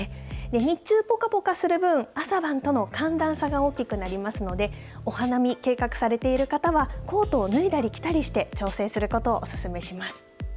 日中ぽかぽかする分、朝晩との寒暖差が大きくなりますので、お花見計画されている方は、コートを脱いだり着たりして、調整することをお勧めします。